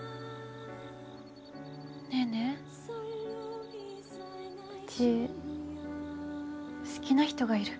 ネーネーうち好きな人がいる。